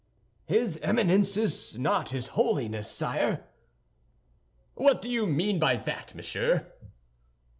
"His Eminence is not his holiness, sire." "What do you mean by that, monsieur?"